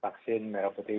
vaksin merah putih